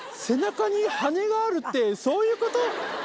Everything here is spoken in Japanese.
背中に羽根があるってそういう事？